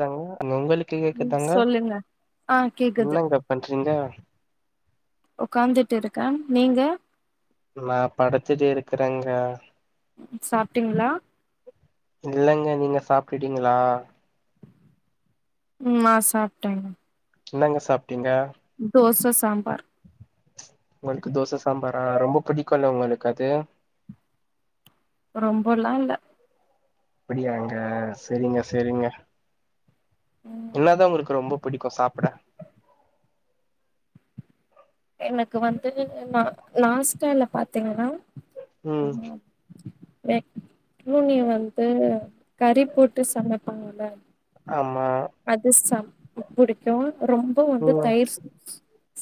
தாங்க அங்க உங்களுக்கு ம் கேக்குதாங்க சொல்லுங்க ஆ கேக்குது என்னங்க பண்றீங்க? ஒக்காந்துட்டுருக்கே நீங்க? நா படுத்துட்டு இருக்குறேங்க சாப்ட்டீங்ளா? இல்லங்க நீங்க சாப்டுடீங்களா? ம் நா சாப்டேங்க என்னங்க சாப் டிங்க? ச சாம்பார் உங்களுக்கு தோச சாம்பாரா ரொம்ப பிடிக்குல்ல உங்களுக்கு அது ரொம்பொல்லா இல்ல அப்பிடியாங்க செரிங்க செரிங்க என்னாதா உங்களுக்கு ரொம்ப புடிக்கு சாப்புட எனக்கு வந்து நா நாஸ்டால பாத்தீங்கனா ம் [unintelligible] மக்ரூனி வந்து கறி போட்டு சமைப்பாங்கல அது ஆமா அது சாப்ட புடிக்கு ரொம்ப வந்து ம் தயிர்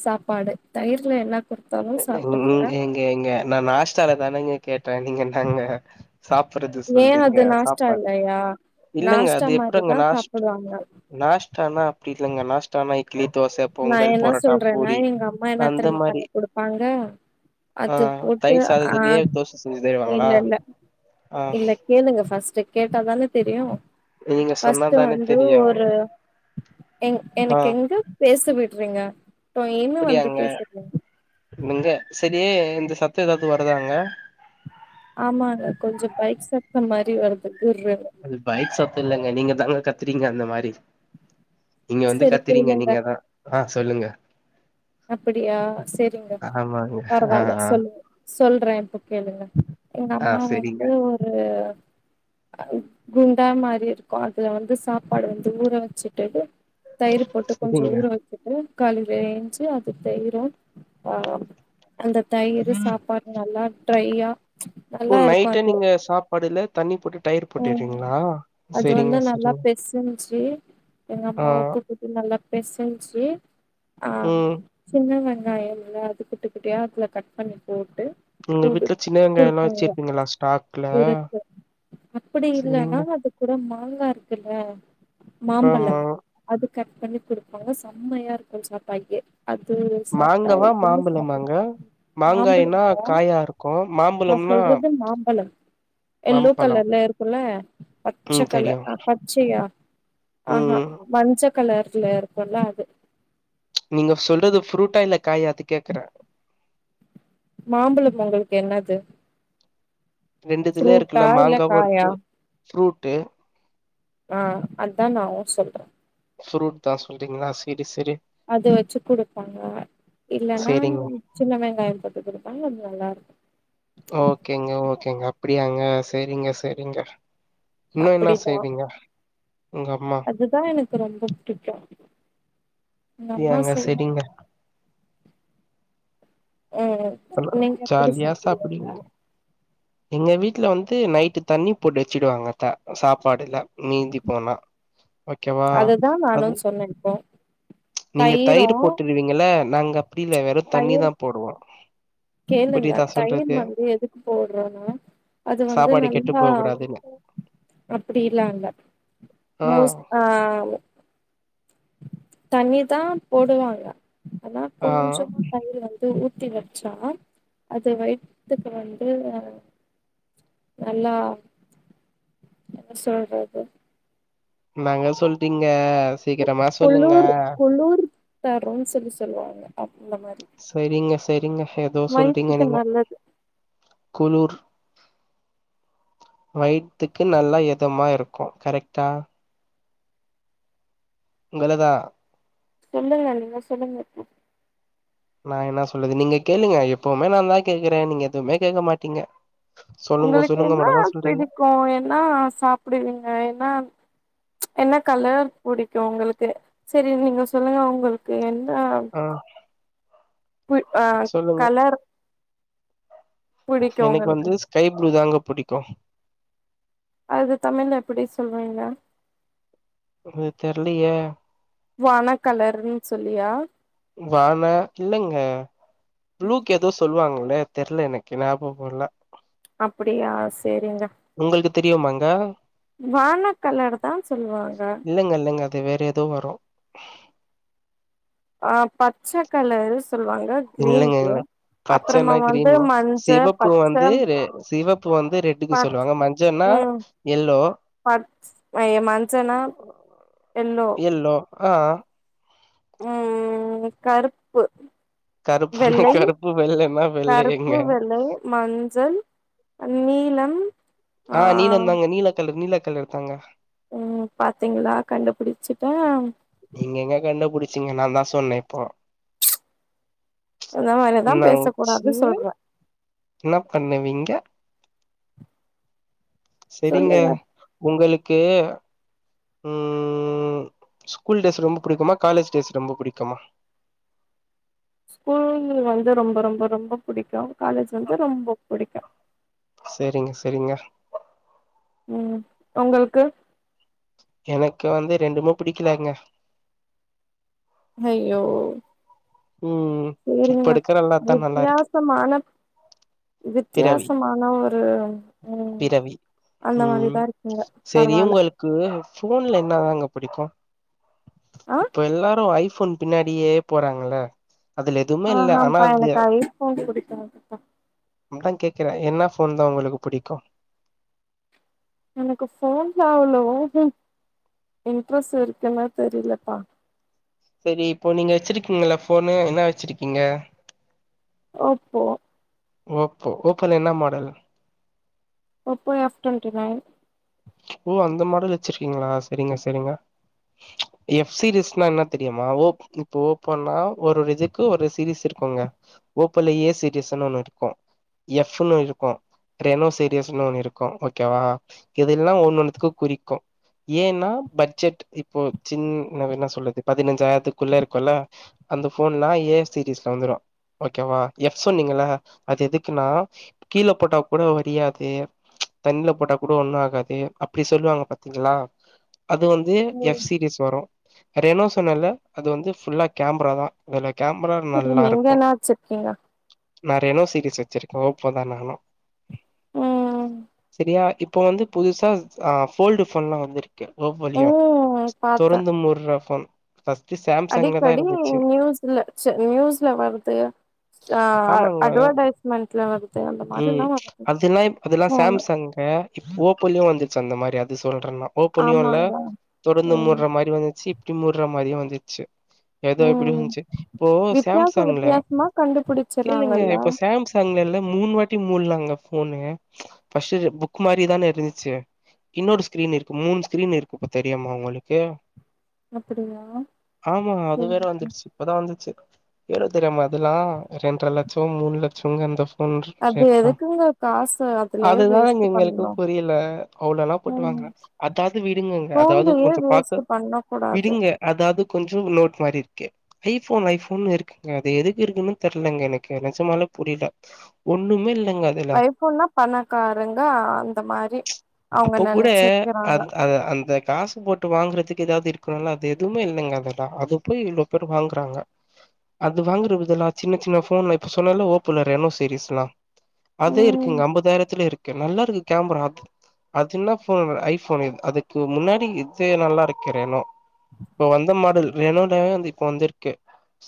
சாப்பாடு தயிர்ல என்ன குடுத்தாலு ம் சாப்ட்டுக்குவே ஏங்க ஏங்க நா நாஸ்டால தானேங்க கேட் டே நீங்க என்னாங்க ஏ அது நாஸ்டா இல்லயா இல்லங்க நாஸ்டா அது மாரிதா சாப்புடுவாங்க டானா அப்டி இல்லங்க நாஸ்டானா இ நா என்ன சொல்றேனா எங்க அம்மா என்ன அந்த தெரிம்மா மாரி பண்ணி குடுப் பாங்க ஆ அது போட்டு தயிர் ஆ சாதத்துலயே தோச செஞ்சு தருவாங்களா இல்லெல்ல ஆ இல்ல கேளுங்க ஃபஸ்ட்டு கேட்டாதானே தெரியு நீங்க ஃபஸ்ட்டு சொன்னாதானே வந்து தெரியு ஒரு எங் ஆ எனக்கு எங்க விட்றிங்க டொய்யின்னு வந்து பேசுறீங்க ங்க செரி இந்த சத்த எதாவ்து வருதாங்க ஆமாங்க கொஞ்சம்பைக் சத்த மாரி வருது கிர்ருன்னு அது பைக் சத்த இல்லங்க நீங்க தாங்க கத்துறீங்க அந்த மாரி இங்க வந்து செரி கத்துறீங்க கேளுங்க நீங்க தா ஆ சொல்லுங்க அப்பிடியா சேரிங்க ஆமாங்க ஆ பரவாயில்ல ஆ சொல்லுங்க சொல்றே இப்ப கேளுங்க எங்க ஆ அம்மா சரிங்க வந்து ஒரு அ குண்டா மாரி இருக்கு அதுல வந்து சாப்பாடு வந்து ஊற வச்சுட்டு தயிர் போட்டு கொஞ்சோ சரிங்க ஊற வச்சிட்டு காலுரேஞ்ச் ப்பியே அது தயிரோ ஆ அந்த தயிர் சாப்பாடு நல்லா டிரையா ஓ நைட்டே நீங்க சாப்பாடு இல்ல தண்ணி போட் ம் அது வந்து நல்லா சரிங்க பெசஞ்சி எங்க ஆ அம்மா உப்பு போட்டு நல்லா பெசஞ்சி ஆ ம் சின்ன வெ வெங்காயோ நல்லா குட்டி குட்டியாக அதல கட் பண்ணி போட்டு உங்க குடு வீட்டு்ல சின்ன வெங்காயோல்லா குடுப்பாங்க வச்சிருப்பீங்களா ஸ்டாக்ல அப்பிடி இல்லன்னா சரிங்க அது கூடமா நல்லா இருக்குல்ல மாம்பழம் ஆமா அது கட் பண்ணி குடுப்பாங்க செம்மையா இருக்கு சாப்ட்டாயே மாங்கவா மாம்பழமாங்க மாங்காய்னா மாம்பழம்ங்க காயா இருக்கு நா மாம்பழம்னா சொல்றது மாம்பழம் எல்லோ மாம்பழம் கலர்ல இருக்குல்ல பச்சை ம் தெரியு கலர் ஆ பச்சையா ஆஹா ம் மஞ்ச கலர் ச்சில இருக்கல்லா அது நீங்க சொல்றது ஃப்ரூட்டா இல்ல காயா அது கேக்குறே மாம்பழம் பொங்களுக்கு என்னது ரெண்டுதுல ஃப்ரூட்டா இருக்குல்ல இல்ல மாங்காவு காயா இருக்கு ஃபுரூட்டு் ஆ அத்தா நானு சொல்றே ஃப்ரூட் தா சொல்றீங்களா சீ் அது வச்சு குடுப்பாங்க இல்லேன்னா செரிங்க சின்ன வெங்காயம் போட்டு குடுப்பாங்க கொஞ்ச நல்லா இருக்கு ஓகேங்க ஓகேங்க அப்டியாங்க செரிங்க செரிங்க இன்னு என்ன அப்டிதா செய்வீங்க உங்க அம்மா அதுதா எனக்கு ரொம்ப பிடிக்கு அப்டியாங்க செரிங்க ம் நீங்க எப்படி ஜாலியா சாப்பிடுவீங்க சாப்டிங்க எங்க வீட்ல வந்து நைட்டு தண்ணி போட்டு வச்சிடுவாங்க சாப்பாடுல மீந்தி போனா ஓகேவா அதுதா அது நானு சொன்னே இப்போ நீங்க தயிரு தயிர் போட்டுருவீங்கள நாங்க கீழ வெறு தண்ணி தயிர் தா போடுவோ கேளுங்க புரியுதா தயிர் சொல்றது வந்து எதுக்கு போடுறோனா அது வந்து சாப்பாடு கெட்டு நல்லா போ கூடாதுன்னு அப்டி இல்ல அங்க ஆ மோஸ் ஆ தண்ணீர் தா போடுவாங்க ஆனா ஆ கொஞ்சம் தயிர் வந்து ஊத்தி வச்சா அது வயித்துக்கு வந்து நல்லா என்ன சொல்றது என்னாங்க சொல்ட்டீங்க சீக்கிரமா சொல்லுங்க தரும்சுன்னு சொல்லுவாங்க அந்த மாரி செரிங்க சேரிங்க ஏதோ சொல்றீங்க வயித்துக்கு நீங்க நல்லது குளூர் வயித்துக்கு நல்லா எதமா இருக்கு கரெக்டா உங்களதா சொல்லுங்க நீங்க சொல்லுங்க இப்ப நா என்ன சொல்லறது நீங்க கேளுங்க எப்பவுமே நா தா கேக்குறே நீங்க எதுவுமே கேட்க மாட்டீங்க சொல்லுங்க உங்களுக்கு சொல்லுங்க என்னா மட்டுந்தா சொல்றீங்க பிடிக்கு என்னா சாப்டுவீங்க என்னா என்ன கலர் புடிக்கு ஒங்களுக்கு சரி நீங்க சொல்லுங்க ஒங்களுக்கு என் ஆ பு அ சொல்லுங்க கலர் புடிக்கு எனக்கு உங்களுக்கு வந்து ஸ்கை ப்ளூ தாங்க புடிக்கு அது தமிழ்ல எப்டி சொல்வீங்க அது தெர்லயே வானக்கலர்ன்னு சொல்லியா வான இல்லைங்க பளூக் ஏதோ சொல்லுவாங்கள நே தெர்ல எனக்கு ஞாபகோ இல்ல அப்படியாஸ் சேரிங்க உங்களுக்கு தெரியுமாங்க வானக்கலர் தா சொல்லுவாங்க இல்லங்க இல்லங்க அது வேறு ஏதோ வறோ ஆ பச்ச கலர்ஸ் இல்லைங்க இல்ல அப்புறமா பச்சைன்னா வந்து கிரீன் மஞ்ச சிவப்பூ பச்ச வந்து சிவப்பூ வந்து ரெட்டுக்கு பச் சொல்லுவாங்க மஞ்சன்னா ம் எல்லோ பச் மஞ்சனா எல்லோ ஆ உ கருப்பு கருப்புன்னா வெள்ளை கருப்பு வெள்ளன்னா கருப்பு வெள்ளையங்க வெள்ளை மஞ்சள் நீளம் ஆ நீலந்தாங்க நீல கலர் நீல த்தங்க எடுத்தாங்க உ பாத்தீங்களா கண்டுபிடிச்சட்டே ச்சிங்க நாதா சொன்னே இப்போ இந்த மாரிதா பேசக் கூடாது ந்னாச்சு சொல்ற என்ன பண்ணுவீங்க சரிங்க சொல்லுங்க உங்களுக் கு உ ஸ்கூல் டேஸ் ரொம்ப பிடிக்குமா காலேஜ் டேஸ் ரொம்ப பிடிக்குமா ஸ்கூல் வந்து ரொம்ப ரொம்ப ரொம்ப பிடிக்கு காலேஜ் வந்து ரொம்போ புடிக்கு சேரிங்க சேரிங்க உ உங்களுக்கு எனக்கு வந்து ரெண்டுமே புடிக்கலங்க அய்யோ ம் இப்ப சேரிங்க எடுக்கிற எல்லாத்தா நல்லா இருக்கு வித்தியாசமான பிறவி வித்தியாசமான ஒரு உ பிறவி அந்த ம் மாரிதா இருக்குங்க செரி பரவால உங்களுக்கு ஃபோன்ல என்னாதாங்க புடிக்கோ ஆ இப்ப எல்லாரு ஐஃப் ஃபோன் பின்னாடியே போறாங்கள ஆஹப்பா எனக்கு ஐ ஃபோன் புடி க்காதுப்பா அதா கேக்குறே என்ன ஃபோன் தா உங்களுக்கு புடிக்கு எனக்கு ஃபோன்ல அவ்ளோ ஒரு இன்ட்ரெஸ்ட் இருக்குன்னா தெரிலப்பா சேரி இப்போ நீங்க வச்சிருக்கீங்கல ஃபோனு என்னா வச்சிருக்கீங்க? ஓப்போ ஓப்போ ஓப்போல என்ன model? Oppo F twenty nine ஓ அந்த மாடல் வச்சிருக்கீங்ளா, செரிங்க செரிங்க எஃப் சீரிஸ்னா என்ன தெரியுமா ஓ இப்ப ஓப்போனா ஒரு இதுக்கு ஒரு சீரிஸ் இருக்குங்க ஓப்போல ஏ சீரிஸுன்னு ஒன்னு இருக்கு எஃபுன்னு இருக்கு ரெனோ சீரிஸ்னு ஒன்னு இருக்கு ஓகேவா இதெல்லா ஒன்னு ஒன்னுத்துக்கு குறிக்கு ஏன்னா பட்ஜெட் இப்போ சின் என்ன சொல்றது பதினஞ்சாயிரத்துக்குள்ள இருக்குல்ல அந்த ஃபோன்லா ஏ சீீரிஸ்ல வந்துரு ஓகேவா எஃப் சொன்னிங்கல அது எதுக்குன்னா கீழ போட்டா கூட வரியாது தண்ணில போட்டா கூட ஒன்னு ஆ காது அப்டி சொல்லுவாங்க பாத்தீங்களா அது வந்து ம் எஃப் சீரிஸ் வரு ரெனோ சொன்னெல்ல அது வந்து ஃபுல்லா கேமரா தா அதுலெ செரி நீங்க என்ன வச்சிர்க்கீங்க? நா ரெனோ சீரிஸ் வச்சிருக்கே ஓப்போ தா நானு ம் செரியா இப் ப‌ வந்து புதுசா அ ஃபோல்டு ஃபோன்லா வந்துரு க்கு ஒப்போலயு ம் பாத்தே தொறந்து மூட்ற ஃபோன் ஃபஸ்ட்டு சாம்சங்ல தா அடிக்கடி இருந்துச்சு நியூஸ்ல நியூஸ்ல வருது அ ஆமாங்க அட்வடைஸ்மெண்ட்ல வருது அந்த ம் மாரில்லா வருது அதெல்லா ஃபோனு போ வந்துச்சு அந்த மாரி அது சொல்ற நா ஓப்போனியோல ஆமாங்க தொறந்து ம் மூட்ற மாரி வந்துச்சி இப்டி மூட்ற மாரியு வந்துச்சு எதோ எப்டி ம் இந்ச்சு இப்போ வித்தியாச சாம்சங்ல வித்தியாசமா கேளுங்க கண்டுபிடிச்சறாங்கல்ல இப்போ சாம்சங்லல்ல மூணு வாட் டி மூல்லாங்க ஃபோனு ஃபஸ்ட்டு புக் மாரி தான இருந்து ச்சு இன்னொரு ஸ்கிரீன் இருக்கு மூணு ஸ்கிரீன் இருக்கு இப்ப தெரியுமா உங்களுக்கு அப்படியா ஆமா அது சரி வேற வந்துருச்சு இப்பதா வந்துச்சு எளோ தெரியுமா அதல்லா ரெண்ர லட்சோ மூணு லட்சொங்க அந்த ஃபோன் அது ரேட்லா எதுக்குங்க காசு அதுலயே வேஸ்ட்டு பண்ணனு அவ்ளொல்லா போட்டு வாங்க அதாது விடுங்கங்க அதாவ்து ஃபோன்லயே கொஞ்ச வேஸ்ட் பாக்க பண்ண கூடாது விடுங்க அதாவ்து கொஞ்சொ நோட் மாரி இருக்கு ஐஃபோன் ஐஃபோன் இருக்குங்க அது எதுக்கு இருக்குனே தெர்லங்க எனக்கு நெஜமாவே புரில ஒன்னுமே இல் ஐஃபோன்னா பணக்காரங்க அந்த மாரி அவங்க அப்போ கூட நெனச்சிருக்கிறாங்க அந் அது அந்த காஸ் போட்டு வாங்குறதுக்கு எதாவது இருக்கணுல்ல அது எதுமே இல்லங்க அதெல்லா அது போய் இவ்ளோ பேரு வாங்குறாங்க அது வாங்குற இதெல்லா சின்ன சின்ன ஃபோன்ல இப்ப சொன்னல்ல ஓப்போல ரெனோ சீரிஸ்லா அதே ம் இருக்குங்க ஐம்பதாயிரத்துல இருக் குன் நல்லா இருக்கு கேம்பரா அத்து அது என்ன ஃபோன் ஐ ஃபோன் இது அதுக்கு முன்னாடி இது நல்லா இருக்கு ரெனோ இப்ப வந்த மாடல் ரெனோலாவே வந்து இப்ப வந்துருக்கு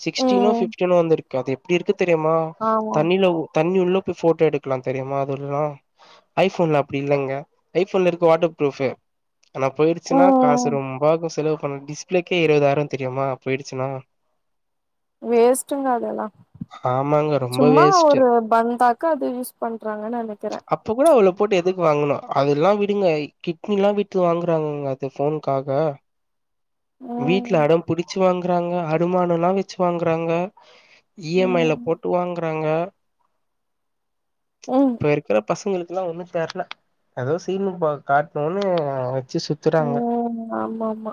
சிக்ஸ்டீனோ ம் பிப்டினோ வந்துருக்கு அது எப்டி இருக்கு தெரியுமா ஆமா தண்ணில உ தண்ணி உள்ள உட்டு ஃபோட்டோ எடுக்கலா தெரியுமா அதுலெல்லா ஐ ஃபோன்ல அப்டி இல்லங்க ஐ ஃபோன்ல இருக்கு வாட்டர் புரூஃப்பு ஆனா போயிடுச்சுன்னா காசு ம் ரொம்பாகு செலவு பண்ண டிஸ் டிஸ்பிளேக்கே இருவதாயிரோ தெரியுமா போயிடுச்சுனா வேஸ்ட்டுங்க அதெல்லா ஆமாங்க ரொம்ப சும்மா வேஸ்ட் ஒரு பந்தாக்கு அது யூஸ் பண்றாங்கன்னு நெனைக்கிற அப்ப கூட அவ்ளோ போட்டு எதுக்கு வாங்கணு அதெல்லா விடுங்க கிட்னி எல்லா வித்து வாங்குறாங்கங்க அது ஃபோன்காக வீட்ல ம் அடம் புடுச்சு வாங் வாங்குறாங்க அடமானோ எல்லா வெச்சு வாங்குறாங்க இஎம்ஐல ம் போட்டு வாங்கறாங்க ம் இப்ப இருக்குறப் பசங்களுக்கெல்லா ஒன்னு தெர்ல எதோ சீனு காட்டணுன்னு வெச்சு சுத்துறாங்க ம் ஆமா ஆமா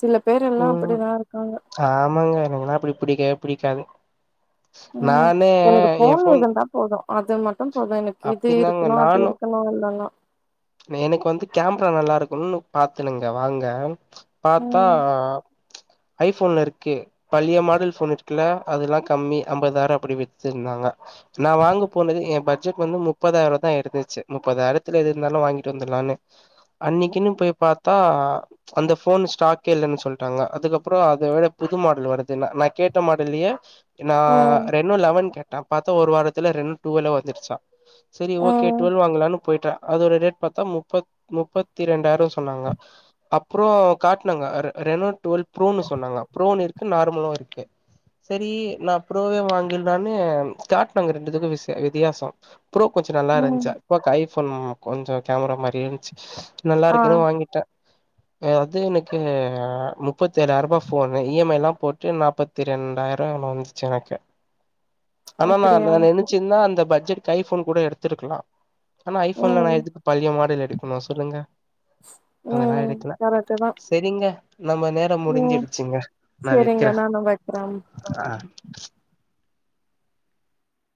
சில பேர் எல்லா ம் அப்படிதா இருக்காங்க ஆமாங்க எனக்குலா அப்டி புடிக்கவேப் புடிக்காது ம் நானே எனக்கு எ போன் ஃபோன் இருந்தா போது அது மட்டும் போது எனக்கு இது அப்டிதாங்க இருக்கணு அது நானு இருக்கணு எல்லாந்தா ஒண்ணு பாத்தனுங்க வாங்க பாத்தா ம் ஐ ஃபோன்ல இருக்கு பழைய மாடல் ஃபோன் இருக்குல அதெல்லா கம்மி ஐம்பதாயிரோ அப்புடி வித்துருந்தாங்க நா வாங்க போனது எ பட்ஜெட் வந்து முப்பதாயிரந்தா இருந்துச்சு முப்பதாயிரத்துல எது இருந்தாலு வாங்கிட்டு வந்துர்லான்னு அன்னைக்குன்னு போய் பாத்தா அந்த ஃபோன்ஸ் ஸ்டாக்கே இல்லன்னு சொல்ட்டாங்க அதுக்கப்புறௌ அத விட புது மாடல் வருதுனா நா கேட்ட மாடல்லயே நா ம் ரெண்னு லெவன் கேட்ட பாத்தா ஒரு வாரத்துல ரெண் டுவெல்லு வந்துருச்சா சேரி ஓகே ம் டுவெல் வாங்கலான்னு போயிட்ட அதோட ரேட் பாத்தா முப்பத் முப்பத்தி ரெண்டாயிரோ சொன்னாங்க அப்புறோ காட்னாங்க ரெ ரெனோ டுவெல் புரோன்னு சொன்னாங்க புரோன்னு இருக்கு நார்மலு இருக்கு சேரி நா புரோவே வாங்குலானு காட்னாங்க ரெண்டுத்துக்கு விஸ்சு வித்தியாசோ புரே கொஞ்சோ நல்லா ம் இருஞ்சு இப்போ கைஃப் போன் கொஞ்சம் கேமரா மாதிரி இருந்துச்சு நல்லா ஆ இருக்குன்னு வாங்கிட்டேன் ஏன் எனக்கு முப்பத்தி ஏழாயிரம் ரூபாய் ஃபோன் இ எம் ஐ எல்லாம் போட்டு நாப்பத்தி ரெண்டாயிரம் வந்துச்சு எனக்கு ஆனா நான் அப்படியா சரி. நினைச்சேந்தா அந்த பட்ஜெட் ஐபோன் கூட எடுத்துருக்கலாம் ஆனா ஐபோன்ல ம் நான் எடுத்துட்டு பழைய மாடல் எடுக்கணும் சொல்லுங்க ம் அதெல்லாம் எடுக்கல கரெக்ட்டு தா செரிங்க நம்ம நேரம் ம் முடிஞ்சுடுச்சுங்க நான் சரிங்க வைக்கிறேன் நானு வைக்கிறே ஆ